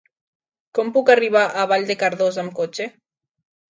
Com puc arribar a Vall de Cardós amb cotxe?